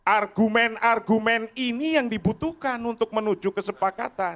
argumen argumen ini yang dibutuhkan untuk menuju kesepakatan